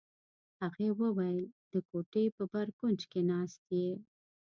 هغې وویل: د کوټې په بر کونج کې ناست یې.